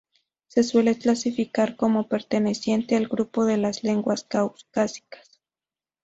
Se suele clasificar como perteneciente al grupo de las lenguas caucásicas.